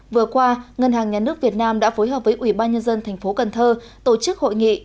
vừa qua ngân hàng nhà nước việt nam đã phối hợp với ủy ban nhân dân tp cnh tổ chức hội nghị